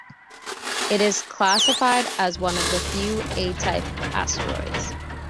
It is classified as one of the few A-type asteroids.